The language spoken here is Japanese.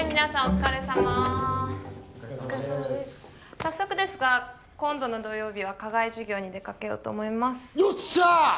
お疲れさまお疲れさまです早速ですが今度の土曜日は課外授業に出かけようと思いますよっしゃあ！